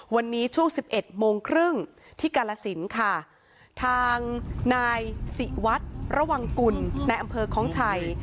วันนี้ช่วงสิบเอ็ดโมงครึ่งที่กาลสินค่ะทางนายศิวัตรระวังกุลในอำเภอคล้องชัย